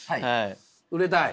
売れたい？